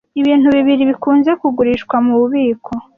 Ibintu bibiri bikunze kugurishwa mububiko